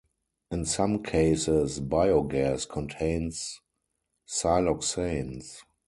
In some cases, biogas contains siloxanes.